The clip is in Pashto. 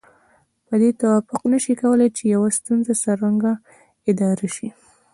په دې توافق نشي کولای چې يوه ستونزه څرنګه اداره شي.